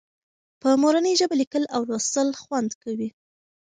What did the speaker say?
په مورنۍ ژبه لیکل او لوستل خوند کوي.